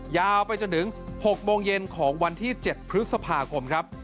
ยาวไปจนถึง๖โมงเย็นของวันที่๗พฤษภาคมครับ